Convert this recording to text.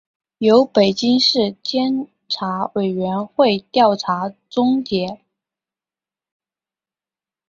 由北京市监察委员会调查终结